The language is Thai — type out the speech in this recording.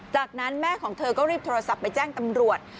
จากนั้นแม่ของเธอก็รีบโทรศัพท์ไปแจ้งตำรวจ